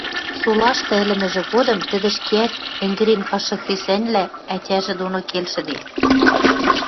Солашты ӹлӹмӹжӹ годым тӹдӹ ӹшкеӓт ӹнгӹрен каштшы хресӓньлӓ ӓтяжӹ доно келшӹде